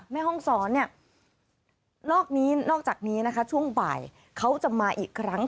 แม่ห้องศรเนี่ยนอกจากนี้นะคะช่วงบ่ายเขาจะมาอีกครั้ง